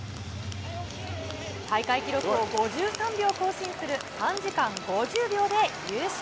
大会記録を５３秒更新する３時間５０秒で優勝。